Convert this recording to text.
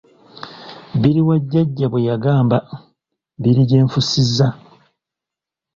Biri wa jjajja bwe yangamba, biri gye nfusizza.